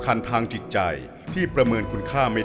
เหมือนเล็บแบบงองเหมือนเล็บตลอดเวลา